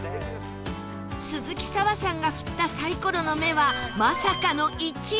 鈴木砂羽さんが振ったサイコロの目はまさかの「１」